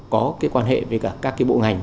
có cái quan hệ với cả các cái bộ ngành